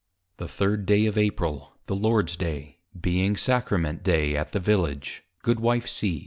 The 3d of April, the Lord's day, being Sacrament day, at the Village, _Goodw. C.